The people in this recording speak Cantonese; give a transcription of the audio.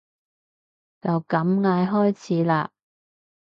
就咁嗌開始啦